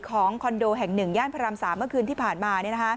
คอนโดแห่ง๑ย่านพระราม๓เมื่อคืนที่ผ่านมา